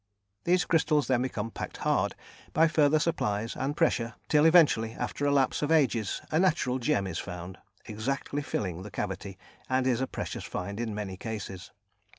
These crystals then become packed hard by further supplies and pressure, till eventually, after the lapse of ages, a natural gem is found, exactly filling the cavity, and is a precious find in many cases.